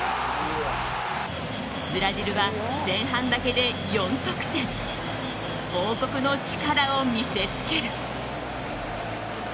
ブラジルは前半だけで４得点王国の力を見せつける。